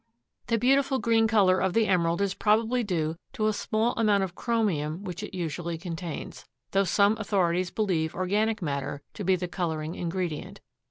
The beautiful green color of the emerald is probably due to a small quantity of chromium which it usually contains, though some authorities believe organic matter to be the coloring ingredient.